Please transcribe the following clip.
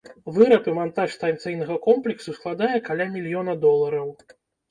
Выраб і мантаж станцыйнага комплексу складае каля мільёна долараў.